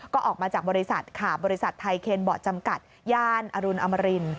ก็ออกมาจากบริษัทค่ะบริษัทไทยเคนเบาะจำกัดย่านอรุณอมริน